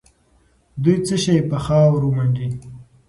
دوی څه شي په خاورو منډي؟